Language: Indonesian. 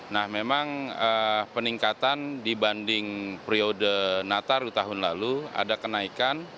nah memang peningkatan dibanding periode nataru tahun lalu ada kenaikan